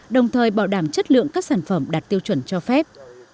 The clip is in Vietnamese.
đồng thời bảo đảm chất lượng các sản phẩm đạt tiêu chuẩn cho phép